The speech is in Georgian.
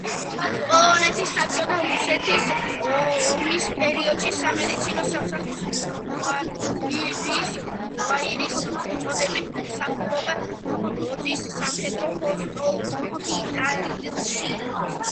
პოლონეთ-საბჭოთა რუსეთის ომის პერიოდში სამედიცინო სამსახურის მაიორის წოდებით, მსახურობდა ლოძის სამხედრო ჰოსპიტალში.